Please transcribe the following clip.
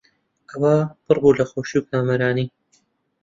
ئەوا پڕ بوو لە خۆشی و کامەرانی